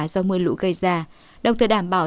do mưa lũ gây ra đồng thời đảm bảo